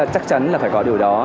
chắc chắn là phải có điều đó